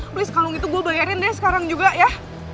please kalung itu gue bayarin deh sekarang juga ya